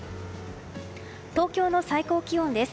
東京の最高気温です。